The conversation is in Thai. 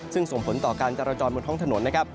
ซึ่งส่งผลต่อการจราจรบนท้องถนนนะครับ